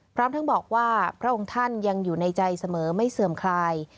พร้อมทั้งบอกว่าพระองค์ท่านยังอยู่ในใจเสมอไม่เสื่อมคลาย